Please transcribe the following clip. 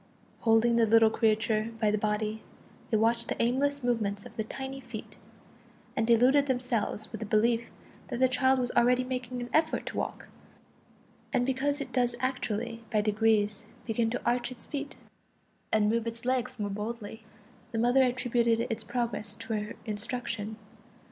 Holding the little creature by the body, they watched the aimless movements of the tiny feet, and deluded themselves with the belief that the child was already making an effort to walk; and because it does actually by degrees begin to arch its feet and move its legs more boldly, the mother attributed its progress to her instruction.